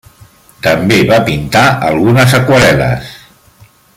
També va pintar algunes aquarel·les.